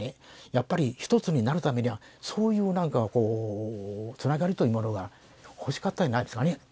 やっぱり一つになるためにはそういう何かこうつながりというものが欲しかったんじゃないですかね